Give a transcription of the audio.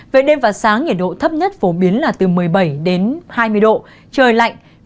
về đêm và sáng nhiệt độ thấp nhất phổ biến là từ một mươi bảy đến hai mươi độ trời lạnh